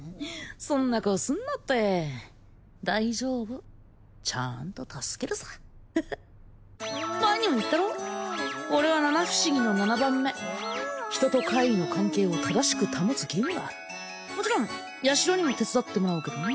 そんな顔すんなって大丈夫ちゃんと助けるさフフッ前にも言ったろ俺は七不思議の七番目ヒトと怪異の関係を正しく保つ義務があるもちろんヤシロにも手伝ってもらうけどね